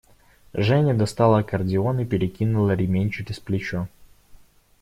Женя достала аккордеон и перекинула ремень через плечо.